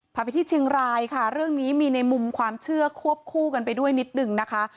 พาไปที่เชียงรายค่ะเรื่องนี้มีในมุมความเชื่อควบคู่กันไปด้วยนิดนึงนะคะ